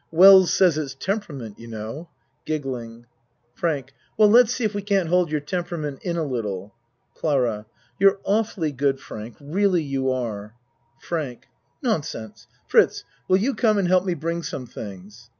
Wells says it's temperament, you know. FRANK Well, lets see if we can't hold your tem perament in a little. CLARA You're awfully good, Frank. Really you are. FRANK Nonsense! Fritz, will you come and help me bring some things?